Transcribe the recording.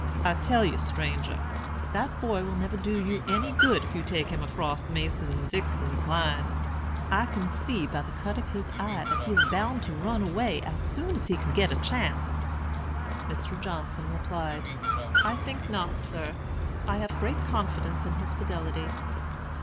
I tell you, stranger, that boy will never do you any good if you take him across Mason and Dixon's line. I can see by the cut of his eye that he is bound to run away as soon as he can get a chance." Mr. Johnson replied, "I think not, sir. I have great confidence in his fidelity."